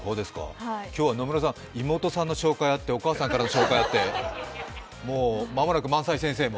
今日は妹さんの紹介があってお母さんの紹介があって間もなく萬斎先生も？